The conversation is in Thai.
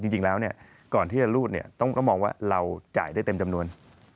จริงแล้วเนี่ยก่อนที่จะรูดเนี่ยต้องมองว่าเราจ่ายได้เต็มจำนวน